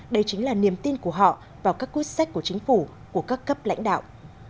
đây chính là niềm tin của họ vào các quyết sách của chính phủ của các cấp lãnh đạo